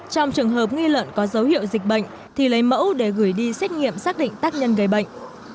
trong trường hợp nghi lợn có dấu hiệu dịch bệnh thì lấy mẫu để gửi đi xét nghiệm xác định tác nhân gây bệnh